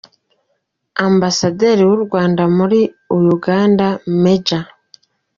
Ambasaderi w’u Rwanda muri Uganda, Maj.